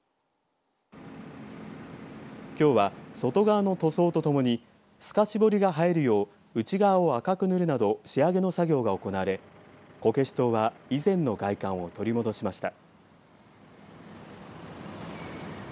きょうは、外側の塗装とともに透かし彫りが映えるよう内側を赤く塗るなど仕上げの作業が行われこけし塔は以前の外観を取り戻しました。